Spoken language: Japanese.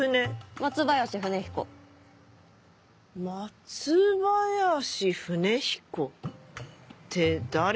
松林船彦って誰だっけ？